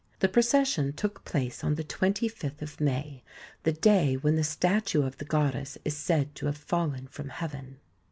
The procession took place on the twenty fifth of May, the day when the statue of the goddess is said to have fallen from heaven.